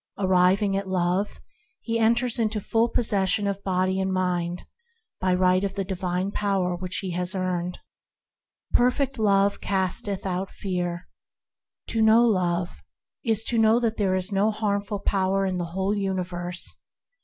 Arriving at Love, he enters into full possession of body and mind, by right of the divine Power he has earned. "Perfect Love casteth out fear." To know Love is to know that there is no harmful power in the whole universe.